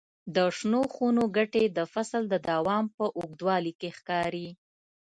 د شنو خونو ګټې د فصل د دوام په اوږدوالي کې ښکاري.